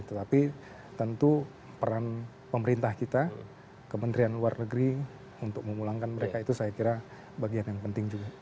tetapi tentu peran pemerintah kita kementerian luar negeri untuk memulangkan mereka itu saya kira bagian yang penting juga